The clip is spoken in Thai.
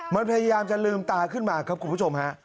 มันพยายามจะลืมตาขึ้นมาครับคุณผู้ชมฮะ